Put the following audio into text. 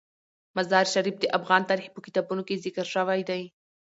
مزارشریف د افغان تاریخ په کتابونو کې ذکر شوی دي.